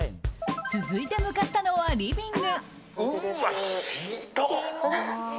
続いて向かったのはリビング。